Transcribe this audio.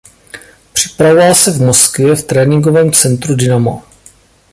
Připravoval se v Moskvě v tréninkovém centru Dinamo.